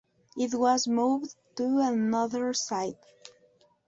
It was moved to another site.